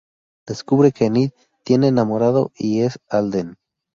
Descubre que Enid, tiene enamorado, y es Alden.